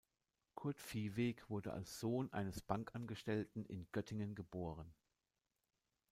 Kurt Vieweg wurde als Sohn eines Bankangestellten in Göttingen geboren.